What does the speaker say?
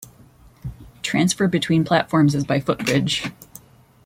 Transfer between platforms is by footbridge.